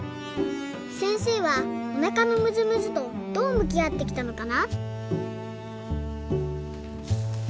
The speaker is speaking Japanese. せんせいはおなかのむずむずとどうむきあってきたのかな？